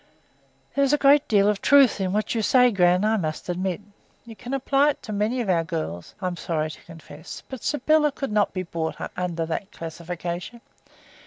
"There is a great deal of truth in what you say, gran, I admit. You can apply it to many of our girls, I am sorry to confess, but Sybylla could not be brought under that classification.